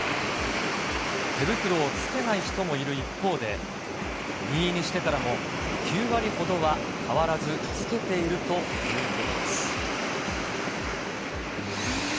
手袋をつけない人もいる一方で、任意にしてからも９割ほどは変わらずつけているということです。